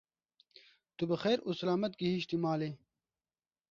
Tu bi xêr û silamet gihîştî malê?